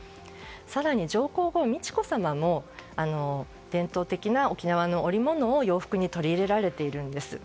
更に上皇后・美智子さまも伝統的な沖縄の織物を洋服に取り入れられているんです。